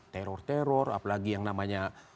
teror teror apalagi yang namanya